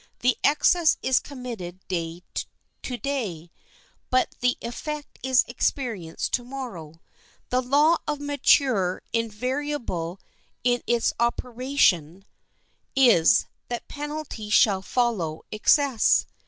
The excess is committed to day, but the effect is experienced to morrow. The law of nature, invariable in its operation, is, that penalty shall follow excess.